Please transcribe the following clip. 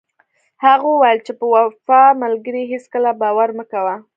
هغه وویل چې په بې وفا ملګري هیڅکله باور مه کوه.